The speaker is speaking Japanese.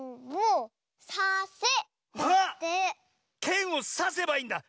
けんをさせばいいんだ！